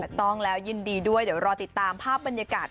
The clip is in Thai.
ต้องแล้วยินดีด้วยเดี๋ยวรอติดตามภาพบรรยากาศ